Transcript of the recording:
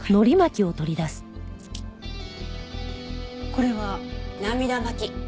これは？涙巻き。